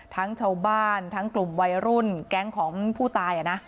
ทั้งชาวบ้านทั้งกลุ่มวัยรุ่นแก๊งของผู้ตาย